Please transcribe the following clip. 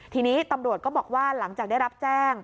ทีนี้ตำรวจก็บอกว่าหลังจากได้รับแจ้ง